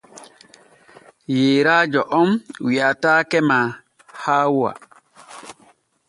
Yeyrajo om wiataake ma haawa.